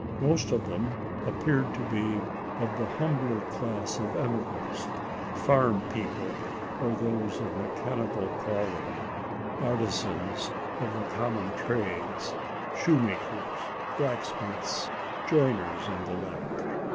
Most of them appeared to be of the humbler class of emigrants farm people or those of mechanical calling artisans of the common trades shoemakers, blacksmiths, joiners, and the like.